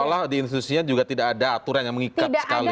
seolah olah di institusinya juga tidak ada aturan yang mengikat sekali